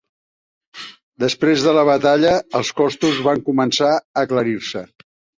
Després de la batalla, els costos van començar a aclarir-se.